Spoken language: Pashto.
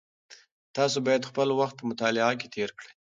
تاسو باید خپل وخت په مطالعه کې تېر کړئ.